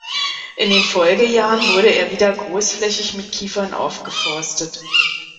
In den Folgejahren wurde er wieder großflächig mit Kiefern aufgeforstet.